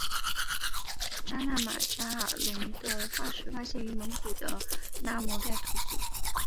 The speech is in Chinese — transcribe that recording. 扎纳巴扎尔龙的化石发现于蒙古的纳摩盖吐组。